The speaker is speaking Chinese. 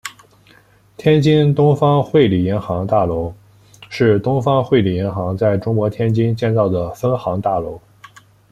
天津东方汇理银行大楼是东方汇理银行在中国天津建造的分行大楼。